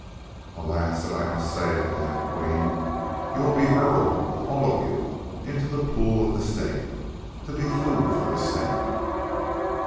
"Alas that I must say it! Then, Queen, you will be hurled, all of you, into the pool of the Snake, to be food for the Snake."